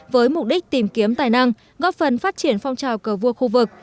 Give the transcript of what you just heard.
với mục đích tìm kiếm tài năng góp phần phát triển phong trào cờ vua khu vực